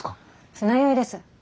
船酔いです。